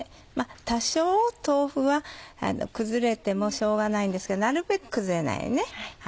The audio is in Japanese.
多少豆腐は崩れてもしょうがないんですけれどなるべく崩れないようにね。